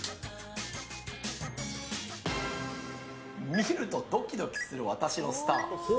見るとドキドキする私のスター。